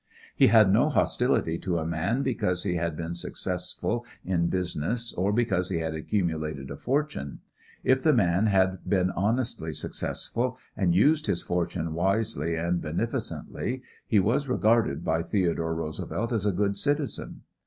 He had no hostility to a man because he had been successful in business or because he had accumulated a fortune. If the man had been honestly successful and used his fortune wisely and beneficently, he was regarded by Theodore Roosevelt as a good citizen.